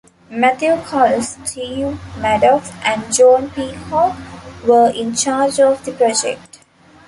Matthew Colless, Steve Maddox and John Peacock were in charge of the project.